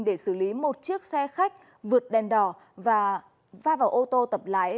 để xử lý một chiếc xe khách vượt đèn đỏ và va vào ô tô tập lái